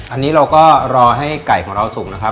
อันนี้เราก็รอให้ไก่ของเราสุกนะครับ